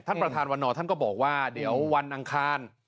ท่านประธานวันนอร์ท่านก็บอกว่าเดี๋ยววันอังคาร